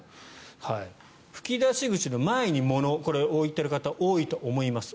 吹き出し口の前に物を置いている方多いと思います。